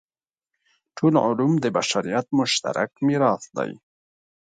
ټول علوم د بشریت مشترک میراث دی.